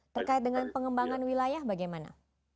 terkait dengan pengembangan wilayah bagaimana